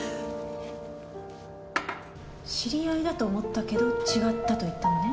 知り合いだと思ったけど違ったと言ったのね？